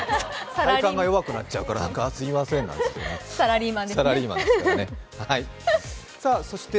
体幹が弱くなってすいませんなんて。